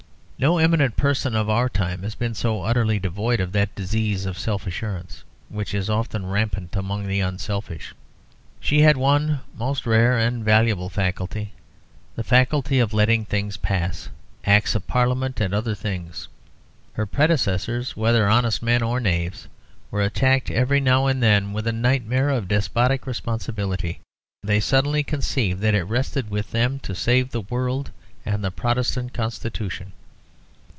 No eminent person of our time has been so utterly devoid of that disease of self assertion which is often rampant among the unselfish. She had one most rare and valuable faculty, the faculty of letting things pass Acts of Parliament and other things. Her predecessors, whether honest men or knaves, were attacked every now and then with a nightmare of despotic responsibility; they suddenly conceived that it rested with them to save the world and the Protestant Constitution.